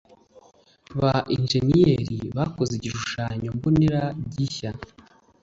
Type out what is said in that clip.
Ba injeniyeri bakoze igishushanyo mbonera gishya.